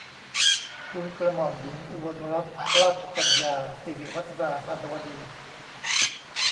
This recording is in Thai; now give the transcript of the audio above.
ทูลกระหม่อมหญิงอุบลรัตนราชกัญญา สิริวัฒนาพรรณวดี